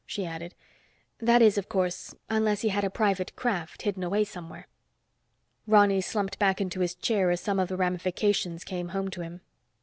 She added, "That is, of course, unless he had a private craft, hidden away somewhere." Ronny slumped back into his chair as some of the ramifications came home to him.